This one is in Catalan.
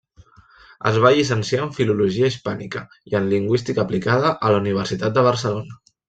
Es va llicenciar en filologia hispànica i en lingüística aplicada a la Universitat de Barcelona.